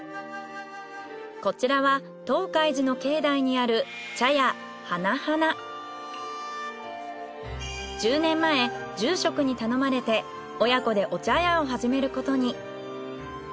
こちらは東海寺の境内にある１０年前住職に頼まれて親子でお茶屋を始めることに。